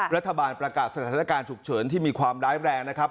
รัฐบาลประกาศสถานการณ์ฉุกเฉินที่มีความร้ายแรงนะครับ